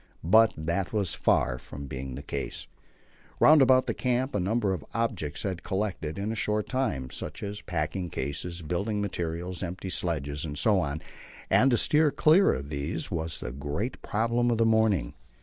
But that was far from being the case. Round about the camp a number of objects had collected in a short time, such as packing cases, building materials, empty sledges, etc., and to steer clear of these was the great problem of the morning.